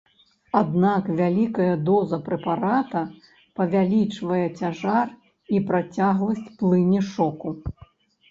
Аднак вялікая доза прэпарата павялічвае цяжар і працягласць плыні шоку.